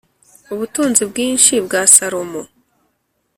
Ubutunzi bwinshi bwa Salomo